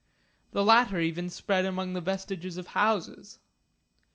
The latter even spread among the vestiges of houses.